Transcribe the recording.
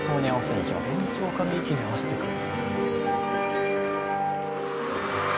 演奏家の息に合わせてくる。